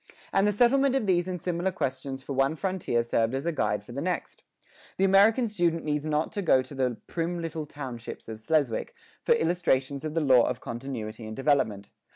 And the settlement of these and similar questions for one frontier served as a guide for the next. The American student needs not to go to the "prim little townships of Sleswick" for illustrations of the law of continuity and development.